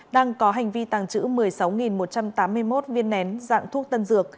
đang có hành vi tăng trữ một mươi sáu một trăm tám mươi một viên nén